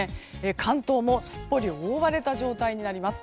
関東もすっぽり覆われた状態になります。